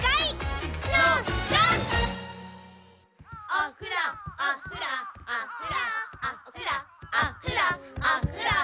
おふろおふろおふろおふろおふろおふろ！